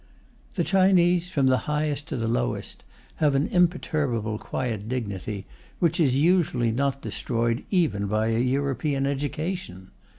The Chinese, from the highest to the lowest, have an imperturbable quiet dignity, which is usually not destroyed even by a European education.